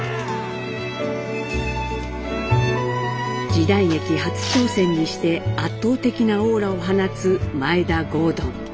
時代劇初挑戦にして圧倒的なオーラを放つ眞栄田郷敦。